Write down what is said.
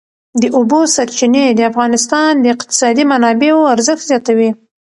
د اوبو سرچینې د افغانستان د اقتصادي منابعو ارزښت زیاتوي.